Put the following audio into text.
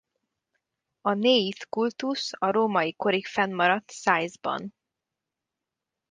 A Néith-kultusz a római korig fennmaradt Szaiszban.